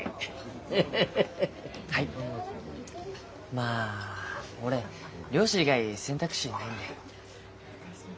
まあ俺漁師以外選択肢ないんで。